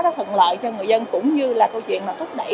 đã thuận lợi cho người dân cũng như là câu chuyện là thúc đẩy